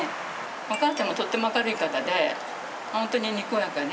お母さんはとっても明るい方で、本当ににこやかで。